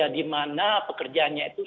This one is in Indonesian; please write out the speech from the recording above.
di mana pekerjaannya itu